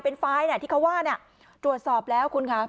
เป็นไทยป่ะที่เขาว่าเนี้ยตรวจสอบแล้วคุณค่ะ